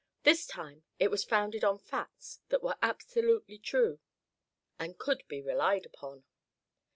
This time it was founded on facts that were absolutely true, and could be relied upon.